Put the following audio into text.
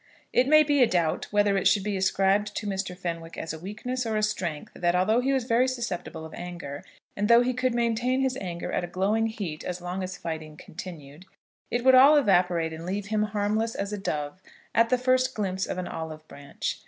It may be a doubt whether it should be ascribed to Mr. Fenwick as a weakness or a strength that, though he was very susceptible of anger, and though he could maintain his anger at glowing heat as long as fighting continued, it would all evaporate and leave him harmless as a dove at the first glimpse of an olive branch.